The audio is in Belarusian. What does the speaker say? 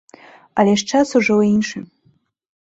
Але ж час ужо іншы.